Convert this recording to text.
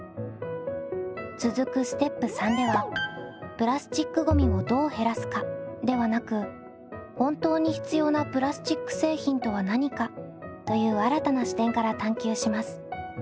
続くステップ③ではプラスチックごみをどう減らすかではなく本当に必要なプラスチック製品とは何かという新たな視点から探究します。